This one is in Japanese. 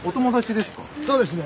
そうですね。